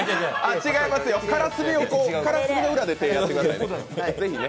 違いますよ、からすみの裏で手を出してくださいね。